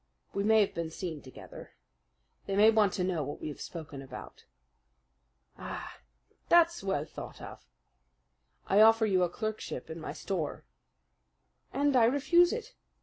"We may have been seen together. They may want to know what we have spoken about." "Ah! that's well thought of." "I offer you a clerkship in my store." "And I refuse it.